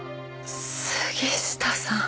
杉下さん。